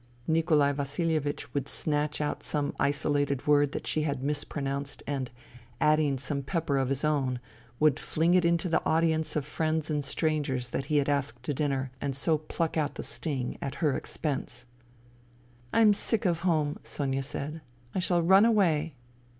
Nikolai Vasihevich would snatch out some isolated word that she had mispronounced and, adding some pepper of his own, would fling it into the audience of friends and strangers that he had asked to dinner, and so pluck out the sting at her expense. " I'm sick of home," Sonia said. " I shall run away."